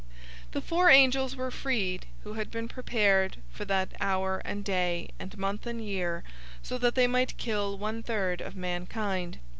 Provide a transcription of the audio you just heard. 009:015 The four angels were freed who had been prepared for that hour and day and month and year, so that they might kill one third of mankind.